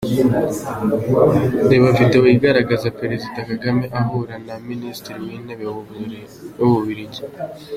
Reba Video igaragaza Perezida Kagame ahura na Minisitiri w’Intebe w’Ububiligi.